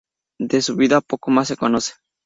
De su vida poco más se conoce.